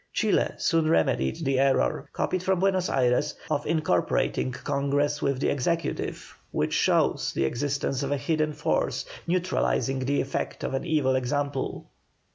Chile soon remedied the error, copied from Buenos Ayres, of incorporating Congress with the Executive, which shows the existence of a hidden force neutralising the effect of an evil example.